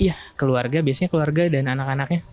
iya keluarga biasanya keluarga dan anak anaknya